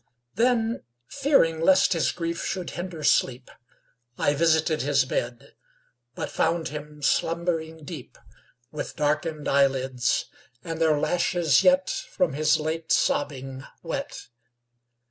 Then, fearing lest his grief should hinder sleep, I visited his bed, But found him slumbering deep, With darken'd eyelids, and their lashes yet 10 From his late sobbing wet.